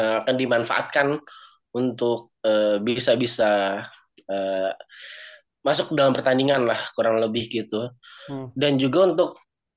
yang akan dimanfaatkan untuk bisa bisa masuk dalam pertandingan lah kurang lebih gitu dan juga untuk